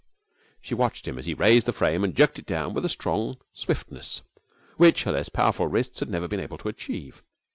She watched him as he raised the frame and jerked it down with a strong swiftness which her less powerful wrists had never been able to achieve.